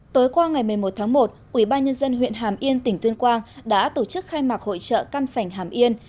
tối qua ngày một mươi một tháng một ubnd huyện hàm yên tỉnh tuyên quang đã tổ chức khai mạc hội trợ cam sành hàm yên